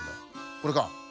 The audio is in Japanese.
これか。